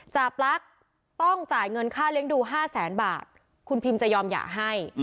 ปลั๊กต้องจ่ายเงินค่าเลี้ยงดู๕แสนบาทคุณพิมจะยอมหย่าให้